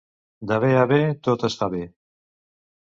De bé a bé tot es fa bé.